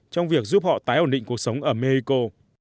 trong việc giúp họ tái ổn định cuộc sống ở mexico